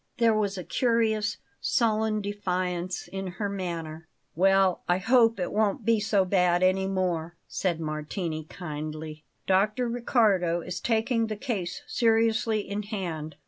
There was a curious, sullen defiance in her manner. "Well, I hope it won't be so bad any more," said Martini kindly. "Dr. Riccardo is taking the case seriously in hand.